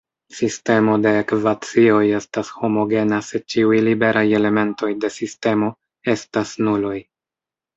Sistemo de ekvacioj estas homogena se ĉiuj liberaj elementoj de sistemo estas nuloj.